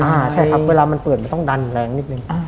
ใช่ครับเวลามันเปิดมันต้องดันแรงนิดนึง